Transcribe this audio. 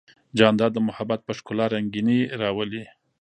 جانداد د محبت په ښکلا رنګینی راولي.